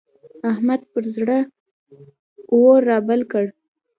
احمد پر زړه اور رابل کړ.